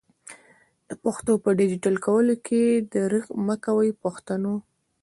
د پښتو په ډيجيټل کولو کي درېغ مکوئ پښتنو!